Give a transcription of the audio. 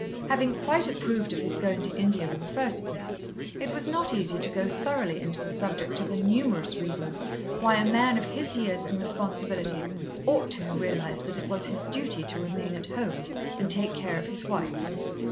Having quite approved of his going to India in the first place, it was not easy to go thoroughly into the subject of the numerous reasons why a man of his years and responsibilities ought to have realised that it was his duty to remain at home and take care of his wife.